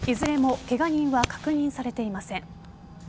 いずれもけが人は確認されていません。